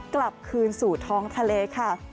กลับคืนสู่ท้องทะเลค่ะ